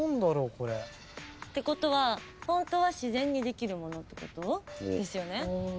てことはホントは自然にできるものってこと？ですよね？